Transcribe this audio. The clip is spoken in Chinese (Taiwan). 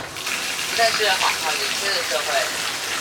不再是謊話連篇的社會